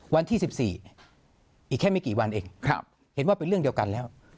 วันที่๑๔อีกแค่ไม่กี่วันเองเห็นว่าเป็นเรื่องเดียวกันแล้ว